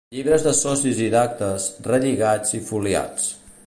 Llibres de socis i d'actes, relligats i foliats.